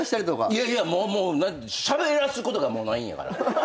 いやいやもうしゃべらすことがないんやから。